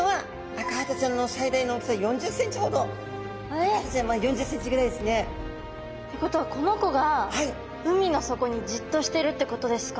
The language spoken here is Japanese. アカハタちゃん４０ｃｍぐらいですね。ってことはこの子が海の底にじっとしてるってことですか？